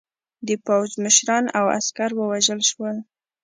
د پوځ مشران او عسکر ووژل شول.